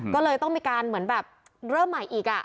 ก็เลยต้องมีการเหมือนแบบเริ่มใหม่อีก